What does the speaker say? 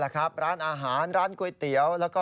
ก็ร้านอาหารกลวยเตี๋ยว